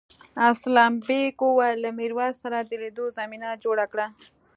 اسلم بېگ وویل له میرويس سره د لیدو زمینه جوړه کړه.